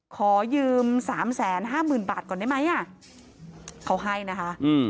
ขอยืมสามแสนห้าหมื่นบาทก่อนได้ไหมอ่ะเขาให้นะคะ